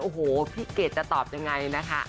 โอ้โหพี่เกดจะตอบยังไงนะคะ